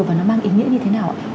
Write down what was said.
và nó mang ý nghĩa như thế nào ạ